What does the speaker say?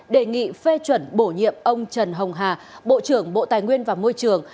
đề nghị phê chuẩn bổ nhiệm ông trần hồng hà bộ trưởng bộ tài nguyên và môi trường